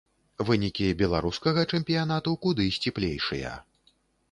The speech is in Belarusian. Вынікі беларускага чэмпіянату куды сціплейшыя.